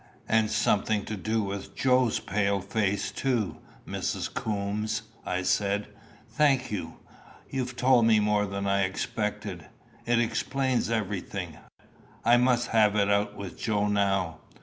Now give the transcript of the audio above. "And something to do with Joe's pale face too, Mrs. Coombes," I said. "Thank you. You've told me more than I expected. It explains everything. I must have it out with Joe now."